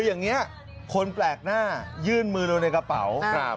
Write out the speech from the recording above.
อย่างนี้คนแปลกหน้ายื่นมือลงในกระเป๋า